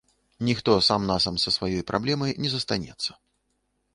Ніхто сам-насам са сваёй праблемай не застанецца.